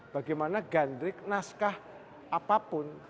bagaimana gandrik naskah apapun